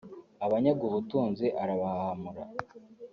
abanyaga ubutunzi arabahahamura